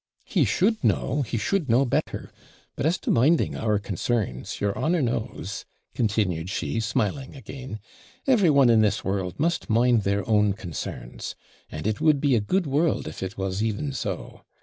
'He should know he should know better; but as to minding our concerns, your honour knows,' continued she, smiling again, 'every one in this world must mind their own concerns; and it would be a good world, if it was even so.